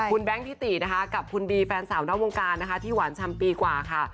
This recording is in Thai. คุณแบงค์ทิตินะคะกับคุณบีแฟนสาวนอกวงการนะคะที่หวานชำปีกว่าค่ะ